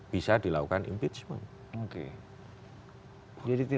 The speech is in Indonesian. bisa dilakukan impeachment